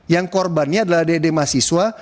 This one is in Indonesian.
yang korbannya adalah adik adik mahasiswa